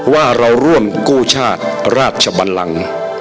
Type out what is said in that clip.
ว่าเราร่วมกู้ชาติราชบันลัง